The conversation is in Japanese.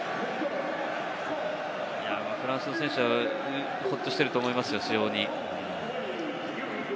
フランスの選手はほっとしていると思いますよ、非常に。